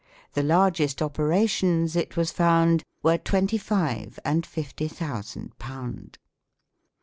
The largest operations, it was found, Were twenty five and fifty thousand pownd."